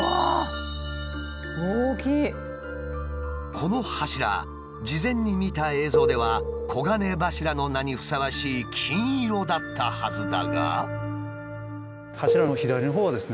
この柱事前に見た映像では「黄金柱」の名にふさわしい金色だったはずだが。